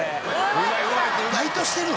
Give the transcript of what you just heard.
バイトしてるの？